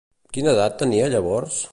Quina edat tenia llavors?